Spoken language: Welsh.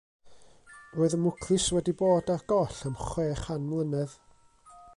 Roedd y mwclis wedi bod ar goll am chwe chan mlynedd.